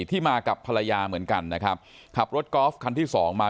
ที่มากับภรรยาเหมือนกันนะครับขับรถกอล์ฟคันที่สองมา